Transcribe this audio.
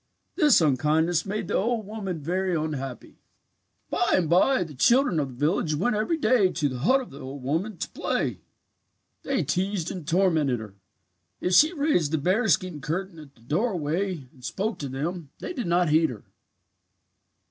"This unkindness made the old woman very unhappy. "By and bye the children of the village went every day to the hut of the old woman to play. "They teased and tormented her. If she raised the bearskin curtain at the doorway and spoke to them they did not heed her.